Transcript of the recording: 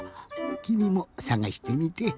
きみもさがしてみて。